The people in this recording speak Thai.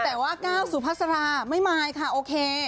แต่ว่าก้าวสุภาษาราไม่ไหมค่ะโอเค